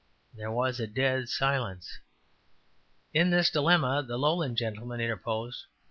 '' There was a dead silence. In this dilemma the Lowland gentleman interposed.